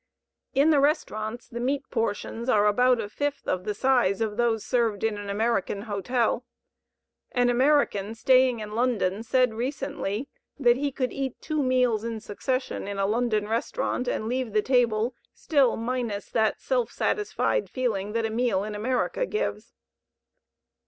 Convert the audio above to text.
In the restaurants the meat portions are about a fifth of the size of those served in an American hotel. An American staying in London said recently that he could eat two meals in succession in a London restaurant, and leave the table still minus that self satisfied feeling that a meal in America gives.